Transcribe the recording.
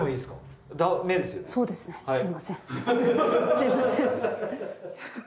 すいません。